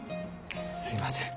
すいません